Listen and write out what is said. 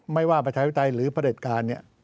ไม่ว่าประชาธิปไตยหรือพระเด็ดกาล